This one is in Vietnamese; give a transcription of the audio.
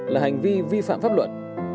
phản pháp luật